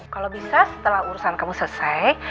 kalau bisa setelah urusan kamu selesai